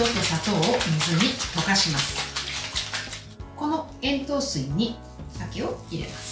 この塩糖水に、鮭を入れます。